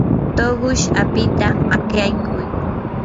tuqush apita makyaykuy.